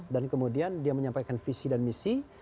dan kemudian dia menyampaikan visi dan misi